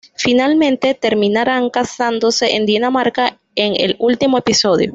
Finalmente, terminarán casándose en Dinamarca en el último episodio.